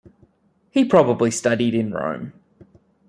He probably studied in Rome.